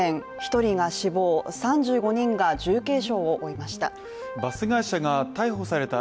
１人が死亡、３５人が重軽傷を負いました。